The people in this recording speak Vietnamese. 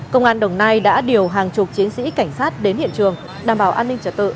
công an đồng nai đã điều hàng chục chiến sĩ cảnh sát đến hiện trường đảm bảo an ninh trật tự